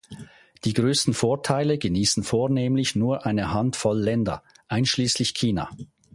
Die größten Vorteile genießen vornehmlich nur eine Hand voll Länder, einschließlich China.